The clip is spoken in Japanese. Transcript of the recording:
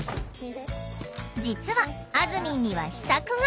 実はあずみんには秘策が！